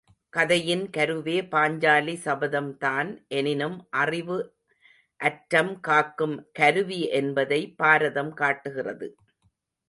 கதையின் கருவே பாஞ்சாலி சபதம்தான் எனினும் அறிவு அற்றம் காக்கும் கருவி என்பதை பாரதம் காட்டுகிறது.